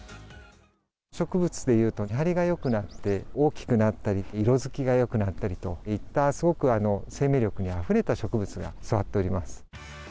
植物でいうと根張りがよくなって、大きくなったり、色づきがよくなったりといった、すごく生命力にあふれた植物が育っております。